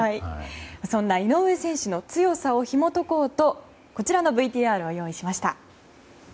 そんな井上選手の強さをひも解こうとこちらのＶＴＲを用意しました。